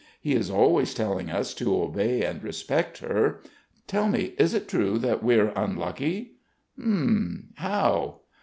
He is always telling us to obey and respect her. Tell me, is it true that we're unlucky?" "H'm ... how?"